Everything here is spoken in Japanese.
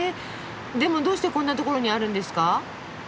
でもどうしてこんなところにあるんですか？